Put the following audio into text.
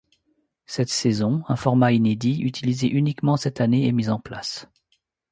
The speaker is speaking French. Cette saison, un format inédit, utilisé uniquement cette année est mis en place.